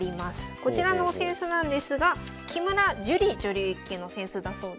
こちらのお扇子なんですが木村朱里女流１級の扇子だそうです。